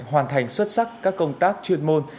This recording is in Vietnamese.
hoàn thành xuất sắc các công tác chuyên môn